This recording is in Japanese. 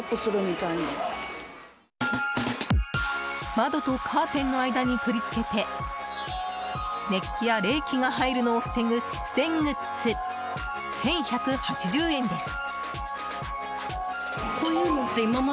窓とカーテンの間に取り付けて熱気や冷気が入るのを防ぐ節電グッズ、１１８０円です。